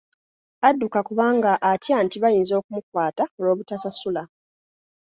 Adduka kubanga atya nti bayinza okumukwata olw'obutasasula.